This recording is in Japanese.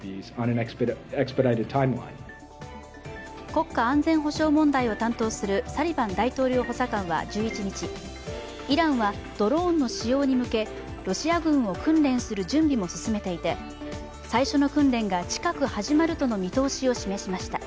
国家安全保障問題を担当するサリバン大統領補佐官は１１日、イランはドローンの使用に向け、ロシア軍を訓練する準備も進めていて、最初の訓練が近く始まるとの見通しを示しました。